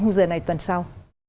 hôm giờ này tuần sau